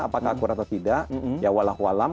apakah akurat atau tidak ya walau alam